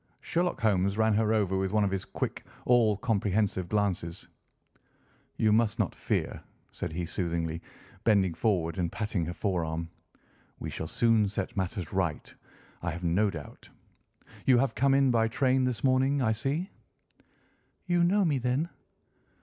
Sherlock Holmes ran her over with one of his quick, all comprehensive glances. "You must not fear," said he soothingly, bending forward and patting her forearm. "We shall soon set matters right, I have no doubt. You have come in by train this morning, I see." "You know me, then?"